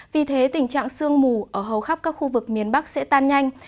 vì thế tình trạng sương mù ở hầu khắp các khu vực miền bắc sẽ tan nhanh